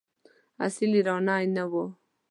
اصیل ایرانی نه وو.